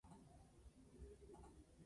Las aguas de la laguna están bien oxigenada.